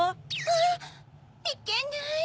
あっいけない！